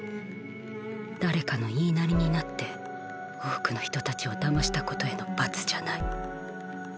誰かの言いなりになって多くの人たちを騙したことへの罰じゃない。